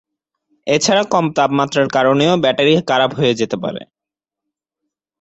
এছাড়া কম তাপমাত্রার কারণেও ব্যাটারি খারাপ হয়ে যেতে পারে।